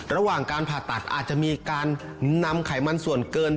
ระหว่างการผ่าตัดอาจจะมีการนำไขมันส่วนเกิน